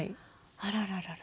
あらららら。